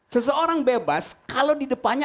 seseorang bebas kalau di depannya